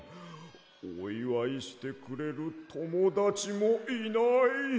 おいわいしてくれるともだちもいない。